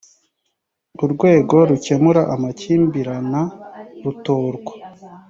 urwego rukemura amakimbirana rutorwa